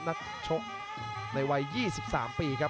นักชกในวัยยี่สิบสามปีครับ